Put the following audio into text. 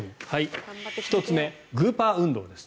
１つめグーパー運動です。